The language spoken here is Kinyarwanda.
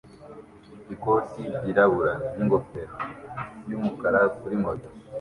ikoti ryirabura n'ingofero yumukara kuri moto